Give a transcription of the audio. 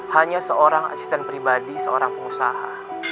hanya seorang asisten pribadi seorang pengusaha